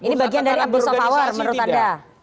ini bagian dari abu software menurut anda